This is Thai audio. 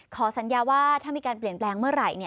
ขอสัญญาว่าถ้ามีการเปลี่ยนแปลงเมื่อไหร่